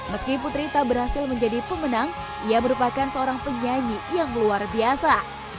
meski putri tak berhasil menjadi pemenang ia merupakan seorang penyanyi yang luar biasa